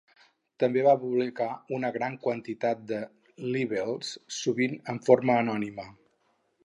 També va publicar una gran quantitat de libels, sovint en forma anònima.